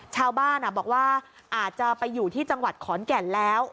ชาวบ้านบอกว่าอาจจะไปอยู่ที่จังหวัดขอนแก่นแล้ว